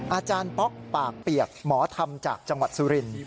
อาจารย์ป๊อกปากเปียกหมอธรรมจากจังหวัดสุรินทร์